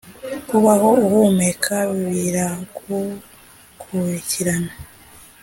kubaho uhumeka biragukuri kirana